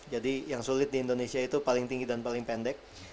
jadi yang sulit di indonesia itu paling tinggi dan paling pendek